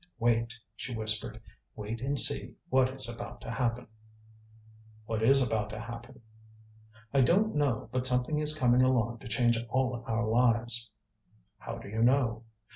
"Wait," she whispered, "wait and see what is about to happen." "What is about to happen?" "I don't know. But something is coming along to change all our lives." "How do you know?"